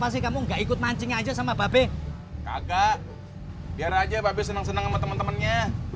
senang senang sama temen temennya